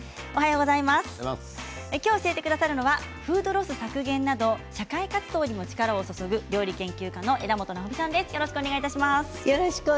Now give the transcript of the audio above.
今日教えてくださるのはフードロス削減など社会活動にも力を注ぐ料理研究家の枝元なほみさんです。